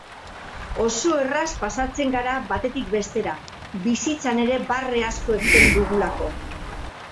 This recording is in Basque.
Oso erraz pasatzen gara batetik bestera, bizitzan ere barre asko egiten dugulako.